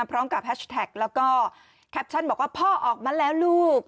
พร้อมกับแฮชแท็กแล้วก็แคปชั่นบอกว่าพ่อออกมาแล้วลูก